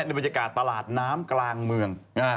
ในบรรยากาศตลาดน้ำกลางเมือง